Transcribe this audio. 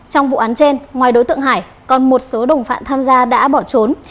trong vụ án trên ngoài đối tượng hải còn một số đồng phạm tham gia đã bỏ trốn